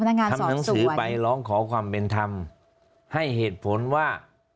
ทำหนังสือไปร้องขอความเป็นธรรมให้เหตุผลว่า